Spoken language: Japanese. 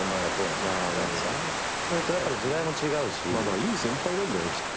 いい先輩なんだよきっと。